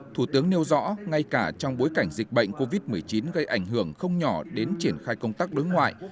thủ tướng nêu rõ ngay cả trong bối cảnh dịch bệnh covid một mươi chín gây ảnh hưởng không nhỏ đến triển khai công tác đối ngoại